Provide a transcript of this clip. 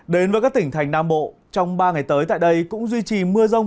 đến với các tỉnh thành nam bộ trong ba ngày tới tại đây cũng duy trì mưa rông